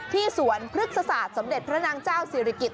สวนพฤกษศาสตร์สมเด็จพระนางเจ้าศิริกิจ